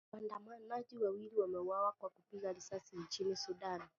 Waandamanaji wawili wameuawa kwa kupigwa risasi nchini Sudan